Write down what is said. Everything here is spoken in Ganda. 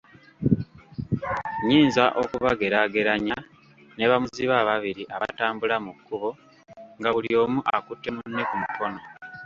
Nnyinza okubageraageranya ne bamuzibe ababiri abatambula mu kkubo nga buli omu akutte munne ku mukono